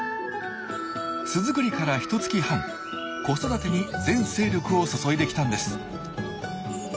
巣作りからひとつき半子育てに全精力を注いできたんです。